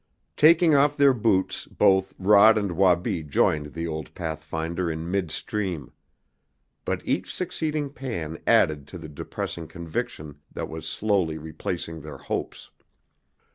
Taking off their boots both Rod and Wabi joined the old pathfinder in midstream. But each succeeding pan added to the depressing conviction that was slowly replacing their hopes.